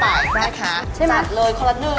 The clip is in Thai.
คุณรู้แล้วกัน